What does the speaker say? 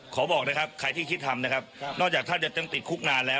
บอกนะครับใครที่คิดทำนะครับนอกจากท่านจะต้องติดคุกนานแล้ว